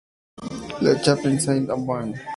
La Chapelle-Saint-Aubin